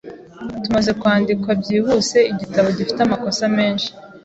Tumaze kwandikwa byihuse, igitabo gifite amakosa menshi.